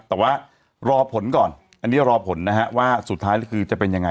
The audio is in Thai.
แต่ว่ารอผลก่อนอันนี้รอผลนะฮะว่าสุดท้ายแล้วคือจะเป็นยังไง